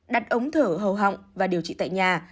đặt ống thở hầu họng và điều trị tại nhà